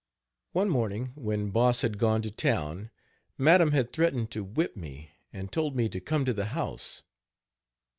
One morning, when Boss had gone to town, Madam had threatened to whip me, and told me to come to the house.